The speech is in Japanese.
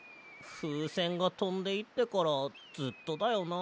ふうせんがとんでいってからずっとだよな。